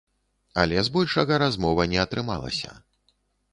Але з большага размова не атрымалася.